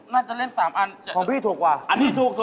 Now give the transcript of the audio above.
เราขอเล่นท้องกัน๓อันได้ไหมคะ